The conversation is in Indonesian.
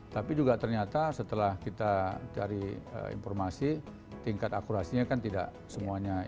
tapi juga ternyata setelah kita cari informasi tingkat akurasinya kan tidak semuanya